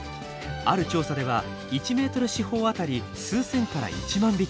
ある調査では１メートル四方あたり数千から１万匹。